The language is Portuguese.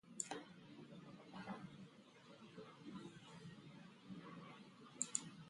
Siemens é uma empresa de tecnologia industrial.